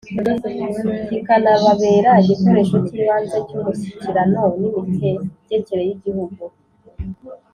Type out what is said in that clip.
kikanababera igikoresho cy’ibanze cy’umushyikirano n’imitegekere y’igihugu.